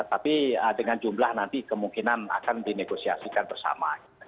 tapi dengan jumlah nanti kemungkinan akan di negosiasikan bersama